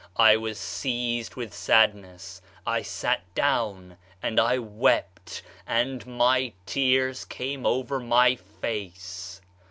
I was seized with sadness; I sat down and I wept; and my tears came over my face.